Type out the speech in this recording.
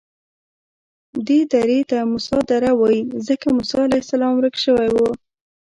دې درې ته موسی دره وایي ځکه موسی علیه السلام ورک شوی و.